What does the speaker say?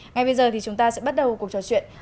ngay bây giờ thì chúng ta sẽ bắt đầu cuộc trò chuyện